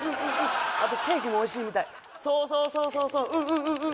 あとケーキもおいしいみたいそうそうそうそうそううんうんうんうんうん